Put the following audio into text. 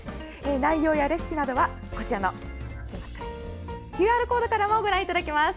内容やレシピなどはＱＲコードからもご覧いただけます。